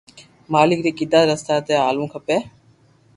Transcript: مالڪ ري ڪيدا رستہ تو ھالوُ کپي